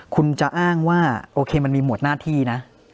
คุณจะอ้างว่าโอเคมันมีหมวดหน้าที่นะ